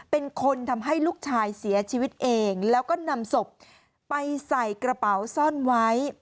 เป็นคนทำให้ลูกชายเสียชีวิตเองแล้วก็นำศพไปใส่กระเป๋าซ่อนไว้